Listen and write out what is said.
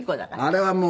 あれはもう。